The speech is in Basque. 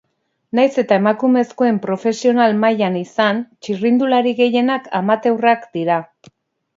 Nahiz eta emakumezkoen profesional mailan izan, txirrindulari gehienak amateurrak dira.